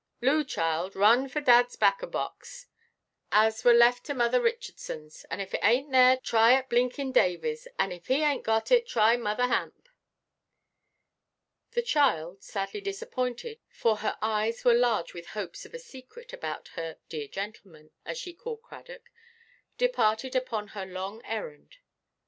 Loo, child, run for dadʼs bacco–box, as were left to Mother Richardsonʼs, and if it ainʼt there, try at Blinkin' Davyʼs, and if he ainʼt got it, try Mother Hamp." The child, sadly disappointed, for her eyes were large with hopes of a secret about her "dear gentleman," as she called Cradock, departed upon her long errand.